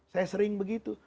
saya sering begitu